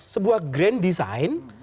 sebuah grand design